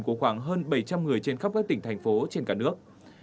của khoảng hơn bảy trăm linh người trên khắp các tỉnh thành phố trên cả nước